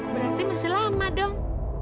berarti masih lama dong